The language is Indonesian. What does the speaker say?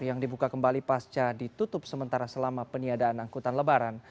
yang dibuka kembali pasca ditutup sementara selama peniadaan angkutan lebaran